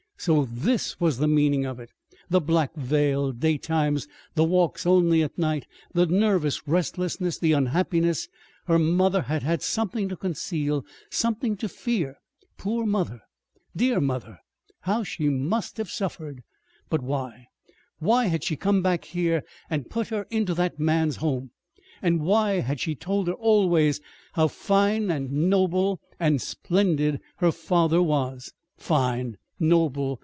So this was the meaning of it the black veil daytimes, the walks only at night, the nervous restlessness, the unhappiness. Her mother had had something to conceal, something to fear. Poor mother dear mother how she must have suffered! But why, why had she come back here and put her into that man's home? And why had she told her always how fine and noble and splendid her father was. Fine! Noble!